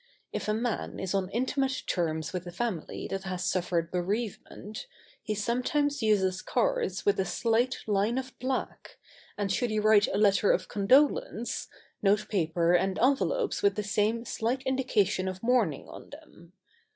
If a man is on intimate terms with a family that has suffered bereavement, he sometimes uses cards with a slight line of black, and should he write a letter of condolence, notepaper and envelopes with the same slight indication of mourning on them.